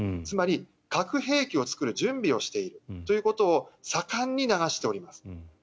つまり核兵器を作る準備をしているということを盛んに流しております。